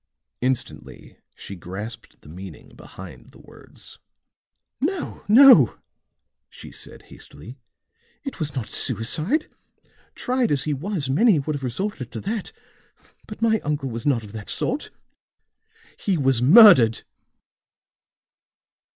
Instantly she grasped the meaning behind the words. "No, no," she said hastily. "It was not suicide! Tried as he was, many would have resorted to that; but my uncle was not of that sort. He was murdered."